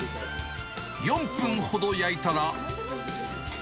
４分ほど焼いたら。